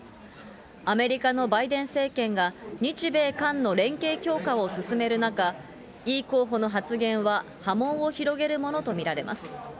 アメリカのバイデン政権が日米韓の連携強化を進める中、イ候補の発言は波紋を広げるものと見られます。